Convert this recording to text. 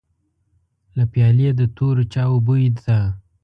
له پيالې د تورو چايو بوی ته.